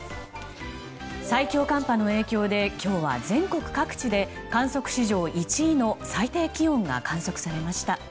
最強寒波の影響で今日は全国各地で観測史上１位の最低気温が観測されました。